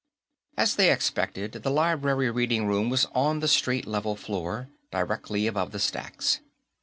As they expected, the library reading room was on the street level floor, directly above the stacks.